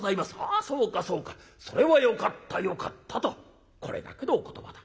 『あそうかそうかそれはよかったよかった』とこれだけのお言葉だ。